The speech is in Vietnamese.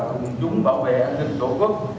cùng chúng bảo vệ an ninh tổ quốc